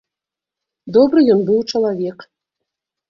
Добры ён быў чалавек.